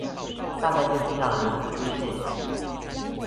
大概就是讓人回歸現實